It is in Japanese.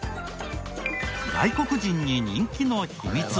外国人に人気の秘密は。